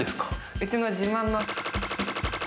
うちの自慢の○○。